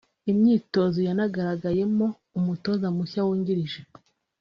Imyitozo yanagaragayemo umutoza mushya wungirije